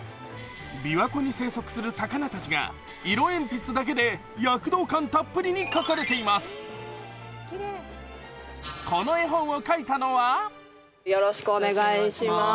琵琶湖に生息する魚たちが色鉛筆だけで躍動感たっぷりに描かれています。